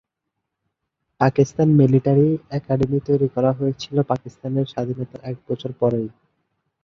Pakistan military academy তৈরি করা হয়েছিলো পাকিস্তানের স্বাধীনতার এক বছর পরেই।